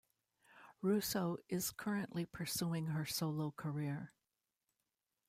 Russo is currently pursuing her solo career.